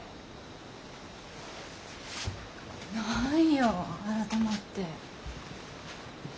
何よ改まって。